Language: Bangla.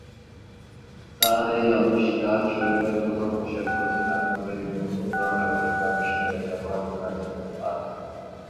তার এই আবিষ্কার শরীরের কোন কোষের ক্ষতি না করেই নতুন ধরনের ঔষধ আবিষ্কারে ব্যবহার করা যেতে পারে।